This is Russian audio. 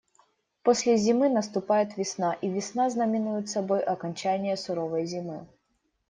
После зимы наступает весна, и весна знаменует собой окончание суровой зимы.